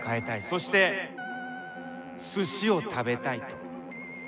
そしてすしを食べたいと。